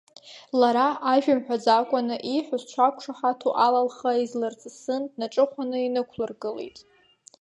Лара, ажәа мҳәаӡакәаны, ииҳәаз дшақәшаҳаҭу ала лхы ааизлырҵысын, днаҿыхәаны инықәлыргылеит.